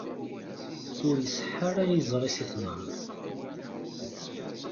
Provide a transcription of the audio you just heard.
Ur iṣeḥḥa ara yiẓri-is i tenhert.